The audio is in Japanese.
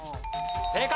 正解！